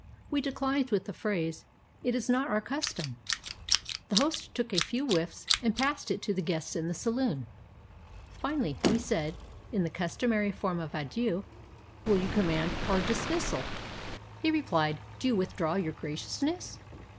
We declined with the phrase, " It is not our cus tom." The host took a few whiffs and passed it to the guests in the saloon. Finally we said, in the customary form of adieu, " Will you command our dismissal? " He replied, " Do you withdraw your graciousness?